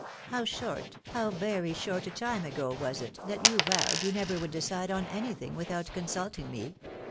How short, how very short a time ago was it, that you vowed you never would decide on anything without consulting me